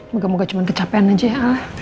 moga moga cuma kecapean aja ya